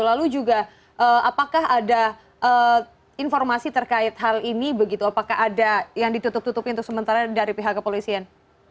lalu juga apakah ada informasi terkait hal ini begitu apakah ada yang ditutup tutupin untuk sementara dari pihak kepolisian